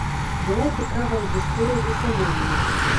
Была цікавая гісторыя з засяленнем.